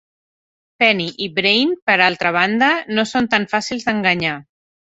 Penny i Brain, per altra banda, no són tan fàcils d'enganyar.